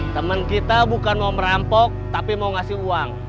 teman kita bukan mau merampok tapi mau ngasih uang